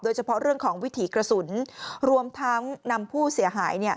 เฉพาะเรื่องของวิถีกระสุนรวมทั้งนำผู้เสียหาย